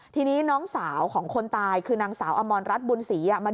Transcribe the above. ทีนี้น้องสาวของคนตายคือนางสาวอมรรัฐบุญศรี